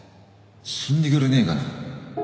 死んでくれねえかな。